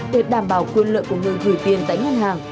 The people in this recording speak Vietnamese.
để đảm bảo quyền lợi của người gửi tiền tại ngân hàng